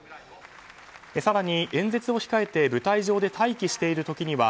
更に演説を控えて舞台上で待機している時には